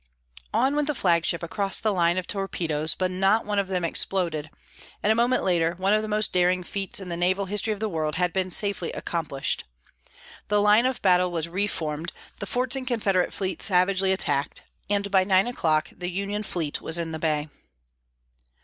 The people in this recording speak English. On went the flagship across the line of torpedoes, but not one of them exploded, and a moment later one of the most daring feats in the naval history of the world had been safely accomplished. The line of battle was re formed, the forts and Confederate fleet savagely attacked, and by nine o'clock the Union fleet was in the bay.